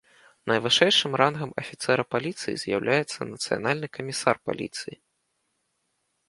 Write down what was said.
Найвышэйшым рангам афіцэра паліцыі з'яўляецца нацыянальны камісар паліцыі.